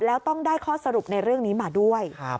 แล้วต้องได้ข้อสรุปในเรื่องนี้มาด้วย